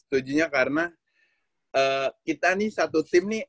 setujunya karena kita nih satu tim nih